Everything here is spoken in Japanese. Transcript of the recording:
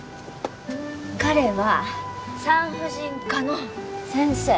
彼は産婦人科の先生。